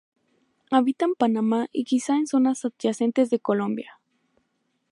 Habita en Panamá y quizá en zonas adyacentes de Colombia.